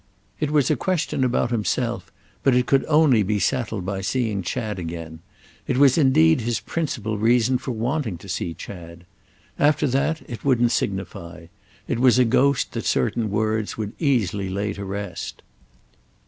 It was a question about himself, but it could only be settled by seeing Chad again; it was indeed his principal reason for wanting to see Chad. After that it wouldn't signify—it was a ghost that certain words would easily lay to rest.